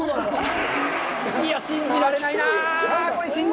いやぁ、信じられないなぁ！